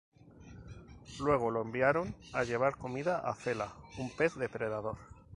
Luego lo enviaron a llevar comida a "Fela", un pez depredador.